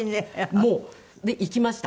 もうで行きました。